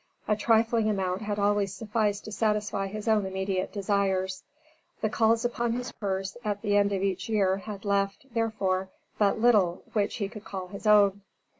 A trifling amount had always sufficed to satisfy his own immediate desires. The calls upon his purse, at the end of each year had left, therefore, but little which he could call his own.